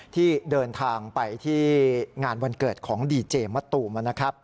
ที่เดินทางไปที่งานวันเกิดของดีเจมส์มัตตูม